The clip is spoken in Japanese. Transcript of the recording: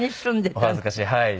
はい。